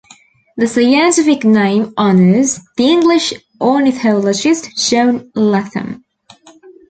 The scientific name honours the English ornithologist John Latham.